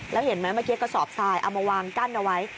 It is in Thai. แล้วเห็นไหมเมื่อกี้กระสอบทรายเอามาวางกั้นเอาไว้